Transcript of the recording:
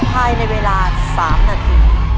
ภายในเวลา๓นาที